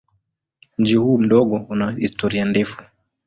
Mji huu mdogo una historia ndefu.